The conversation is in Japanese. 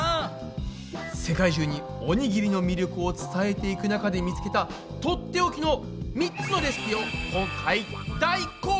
世界中におにぎりの魅力を伝えていく中で見つけたとっておきの３つのレシピを今回大公開してくれます！